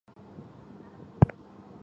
主要使用法语。